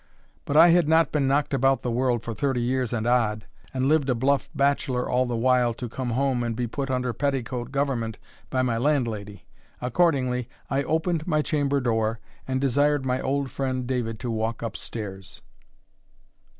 But I had not been knocked about the world for thirty years and odd, and lived a bluff bachelor all the while, to come home and be put under petticoat government by my landlady. Accordingly I opened my chamber door, and desired my old friend David to walk up stairs.